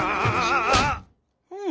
うん！